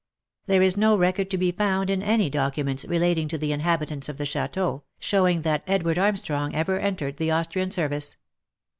There is no record to be found in any documents relating to the inhabitants of the chateau, showing that Edward Armstrong ever entered the Austrian service.